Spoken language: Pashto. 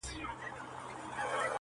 ډول ئې د ډولزن په لاس ورکړى.